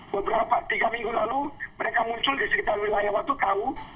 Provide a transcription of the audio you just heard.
beberapa tiga minggu lalu mereka muncul di sekitar wilayah watu tahu